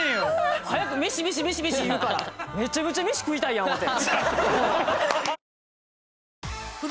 早く飯飯飯飯言うからめちゃめちゃ飯食いたいやん思うて。